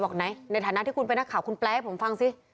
ไหนในฐานะที่คุณเป็นนักข่าวคุณแปลให้ผมฟังสิ